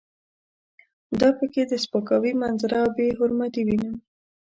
دا په کې د سپکاوي منظره او بې حرمتي وینم.